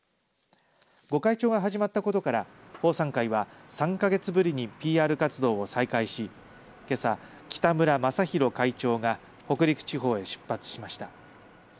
御開帳が始まったことから奉賛会は３か月ぶりにＰＲ活動を再開しけさ、北村正博会長が北陸地方へ出発しました。